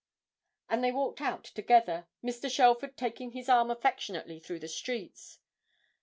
And they walked out together, Mr. Shelford taking his arm affectionately through the streets.